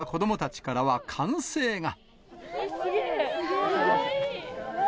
待ち受けた子どもたちからは、歓声が。